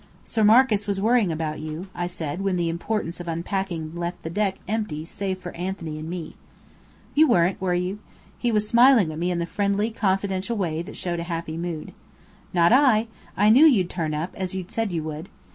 "Sir Marcus was worrying about you," I said, when the importance of unpacking left the deck empty save for Anthony and me. "You weren't, were you?" He was smiling at me in a friendly, confidential way that showed a happy mood. "Not I! I knew you'd turn up, as you'd said you would."